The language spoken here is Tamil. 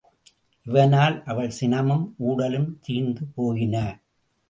இதனால் அவள் சினமும் ஊடலும் தீர்ந்து போயின.